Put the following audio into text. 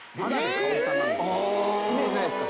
イメージないですか？